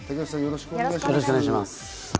よろしくお願いします。